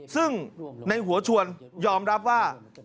ซึ่งในหัวชวนยอมรับว่า